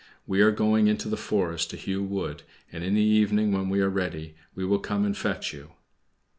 We are going into the forest to hew wood, and in the evening, when we are ready, we will come and fetch you."